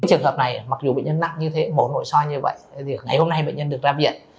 trường hợp này mặc dù bệnh nhân nặng như thế mổn nội soi như vậy thì ngày hôm nay bệnh nhân được ra viện